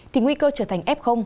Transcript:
thì nguy cơ trở thành f